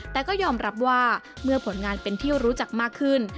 แต่ก็ยอมรับว่าเมื่อผลงานเป็นที่รู้จักมากขึ้น